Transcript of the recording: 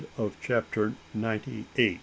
CHAPTER NINETY NINE.